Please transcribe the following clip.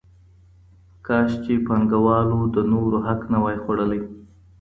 کاش چي پانګه والو د نورو حق نه وای خوړلی.